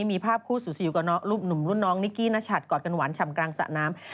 รูปหนุ่มรุ่นน้องนิกกี้นชัดกอดกันหวานฉ่ำกลางสะน้ำ